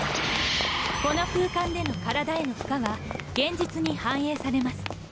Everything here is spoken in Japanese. この空間での体への負荷は現実に反映されます。